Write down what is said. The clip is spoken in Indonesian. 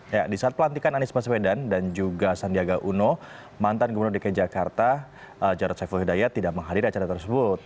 ya di saat pelantikan anies baswedan dan juga sandiaga uno mantan gubernur dki jakarta jarod saiful hidayat tidak menghadiri acara tersebut